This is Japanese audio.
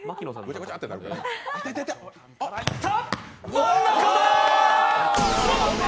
真ん中だー！